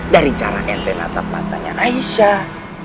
dari cara ente nata patahnya aisyah